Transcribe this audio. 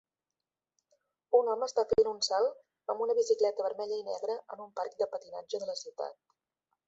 Un home està fent un salt amb una bicicleta vermella i negra en un parc de patinatge de la ciutat.